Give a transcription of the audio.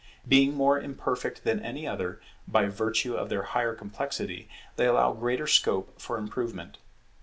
Being more imperfect than any other, by virtue of their higher complexity, they allow greater scope for improvement.